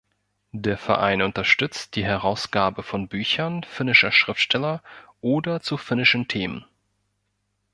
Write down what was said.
Der Verein unterstützt die Herausgabe von Büchern finnischer Schriftsteller oder zu finnischen Themen.